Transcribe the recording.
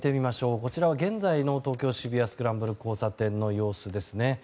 こちらは現在の東京・渋谷スクランブル交差点の様子です。